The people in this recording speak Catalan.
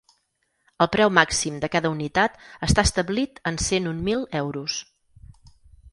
El preu màxim de cada unitat està establit en cent un mil euros.